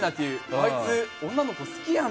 あいつ、女の子好きやん！